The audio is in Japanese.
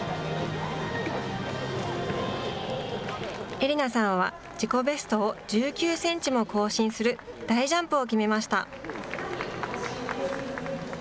英理菜さんは自己ベストを１９センチも更新する大ジャンプを決めました。